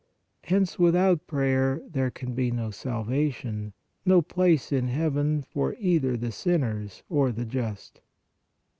Hence without prayer there can be no salvation, no place in heaven for either the sinners or the just.